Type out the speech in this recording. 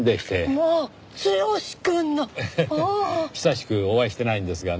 久しくお会いしてないんですがね。